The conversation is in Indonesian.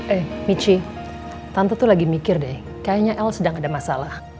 eh michi tante tuh lagi mikir deh kayaknya el sedang ada masalah